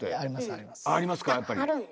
ありますかやっぱり。